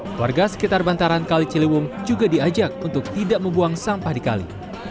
keluarga sekitar bantaran kali ciliwung juga diajak untuk tidak membuang sampah di kali